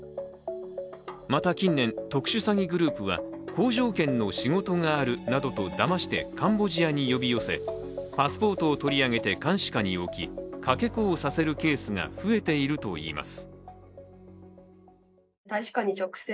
また近年、特殊詐欺グループは好条件の仕事があるなどとだましてカンボジアに呼び寄せ、パスポートを取り上げて監視下に置きかけ子をさせるケースが増えているといいます